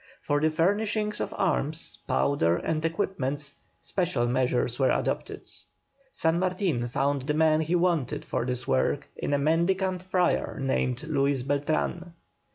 For the furnishing of arms, powder and equipments, special measures were adopted. San Martin found the man he wanted for this work in a mendicant friar named Luis Beltran.